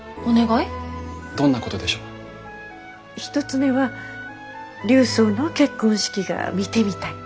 １つ目は琉装の結婚式が見てみたい。